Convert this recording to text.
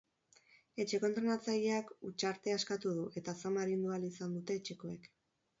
Etxeko entrenatzaileak hutsartea eskatu du eta zama arindu ahal izan dute etxekoek.